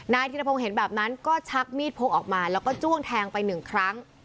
ธิรพงศ์เห็นแบบนั้นก็ชักมีดพกออกมาแล้วก็จ้วงแทงไปหนึ่งครั้ง